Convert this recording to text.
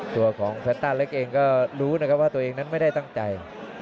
ตัวของแฟนต้าเล็กเองก็รู้นะครับว่าตัวเองนั้นไม่ได้ตั้งใจ